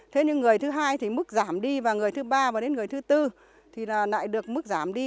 thế nhưng người thứ hai thì mức giảm đi và người thứ ba và đến người thứ tư thì lại được mức giảm đi